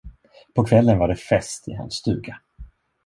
På kvällen var det fest i hans stuga.